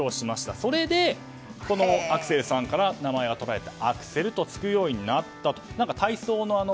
それでアクセルさんから名前がとられてアクセルとつくようになったと。